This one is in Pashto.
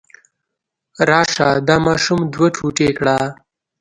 راشه دا ماشوم دوه ټوټې کړه.